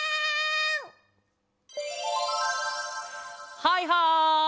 はいはい！